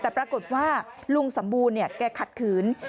แต่ปรากฏว่าลุงสมบูรณ์แกขัดขืน